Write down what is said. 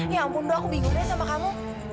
ya ampun dok aku bingung deh sama kamu